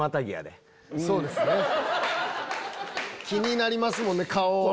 気になりますもんね顔。